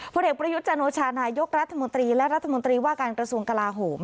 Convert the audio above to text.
ผลเอกประยุทธ์จันโอชานายกรัฐมนตรีและรัฐมนตรีว่าการกระทรวงกลาโหม